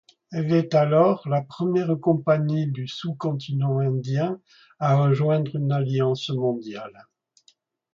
Elle est alors la première compagnie du sous-continent indien à rejoindre une alliance mondiale.